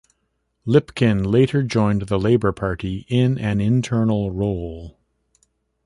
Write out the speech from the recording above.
Lipkin later joined the Labour Party in an internal role.